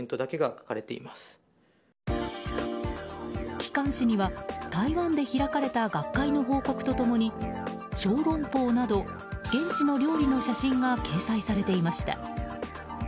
機関誌には台湾で開かれた学会の報告と共に小龍包など現地の料理の写真が掲載されていました。